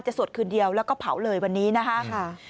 สวดคืนเดียวแล้วก็เผาเลยวันนี้นะคะ